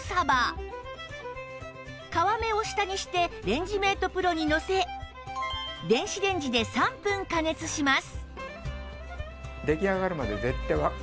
皮目を下にしてレンジメート ＰＲＯ にのせ電子レンジで３分加熱します